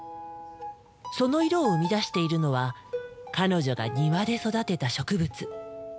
その色を生み出しているのは彼女が庭で育てた植物。